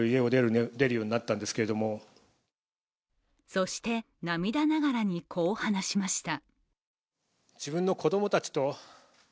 そして、涙ながらに、こう話しました。